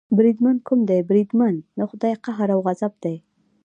بریدمن، کوم دی بریدمن، د خدای قهر او غضب دې.